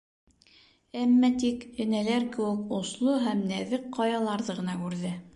Әммә тик, энәләр кеүек, осло һәм нәҙек ҡаяларҙы ғына күрҙе.